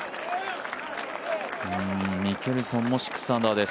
ミケルソンも６アンダーです。